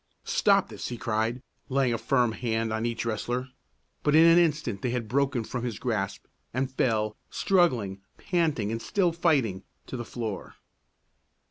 "Stop this!" he cried, laying a firm hand on each wrestler; but in an instant they had broken from his grasp, and fell, struggling, panting, and still fighting, to the floor.